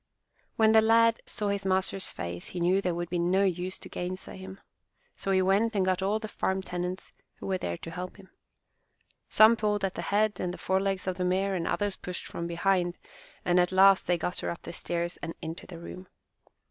When the lad saw his master's face he knew it would be no use to gainsay him. So he went and got all the farm tenants who were there to help him. Some pulled at the head and the forelegs of the mare and others pushed from behind, and at last they got her up the stairs and into the room.